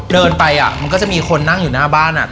เดินไปมันก็จะมีคนนั่งอยู่หน้าบ้าน